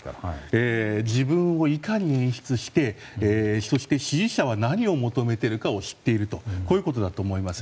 自分をいかに演出してそして支持者は何を求めているかを知っているということだと思います。